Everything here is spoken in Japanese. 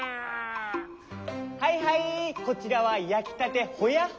はいはいこちらはやきたてほやっ